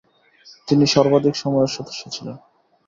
তিনি সর্বাধিক সময়ের সদস্য ছিলেন।